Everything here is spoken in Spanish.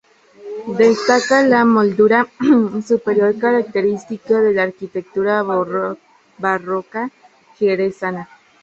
Destaca la moldura superior, característico de la arquitectura barroca jerezana.